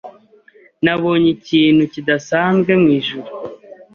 Nabonye ikintu kidasanzwe mwijuru.